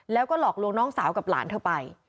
แล้วก็หลอกลวงน้องสาวกับหลานเธอไป